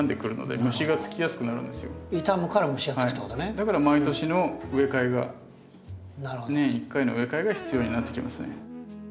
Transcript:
だから毎年の植え替えが年１回の植え替えが必要になってきますね。